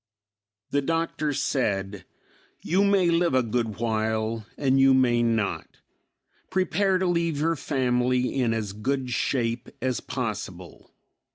The Doctor said, "You may live a good while, and you may not. Prepare to leave your family in as good shape as possible.